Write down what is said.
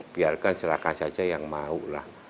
biarkan silahkan saja yang mau lah